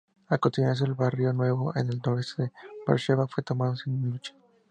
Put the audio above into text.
A continuación, el barrio nuevo en el noreste de Beersheba fue tomado sin lucha.